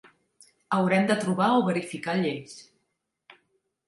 Haurem de trobar o verificar lleis.